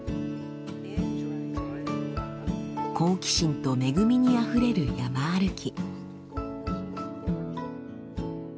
好奇心と恵みにあふれる山歩き。